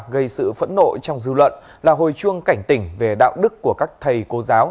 gây sự phẫn nộ trong dư luận là hồi chuông cảnh tỉnh về đạo đức của các thầy cô giáo